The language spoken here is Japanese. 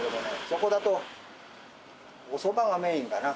そこだとお蕎麦がメインかな。